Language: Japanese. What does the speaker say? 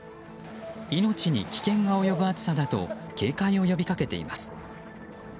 命に危険が及ぶ暑さだと警戒を呼びかけています。